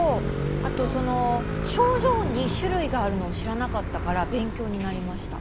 あとその症状に種類があるのを知らなかったから勉強になりました。